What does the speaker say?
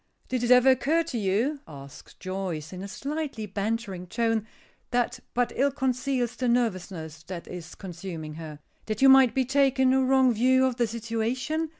"Did it ever occur to you," asks Joyce, in a slightly bantering tone, that but ill conceals the nervousness that is consuming her, "that you might be taking a wrong view of the situation?